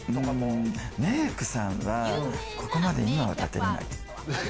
メイクさんは、ここまで今は建てれない。